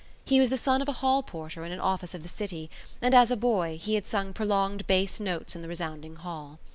He was the son of a hall porter in an office in the city and, as a boy, he had sung prolonged bass notes in the resounding hall.